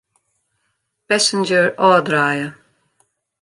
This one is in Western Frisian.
Passenger ôfdraaie.